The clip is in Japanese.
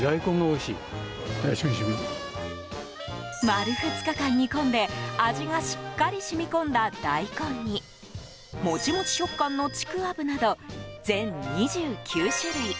丸２日間煮込んで味がしっかり染み込んだ大根にモチモチ食感のちくわぶなど全２９種類。